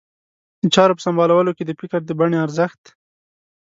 د چارو په سمبالولو کې د فکر د بڼې ارزښت.